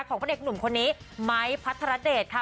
พระเอกหนุ่มคนนี้ไม้พัทรเดชค่ะ